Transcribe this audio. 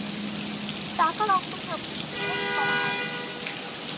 টাকার অঙ্কটি অবশ্য উল্লেখ করা হয় নি।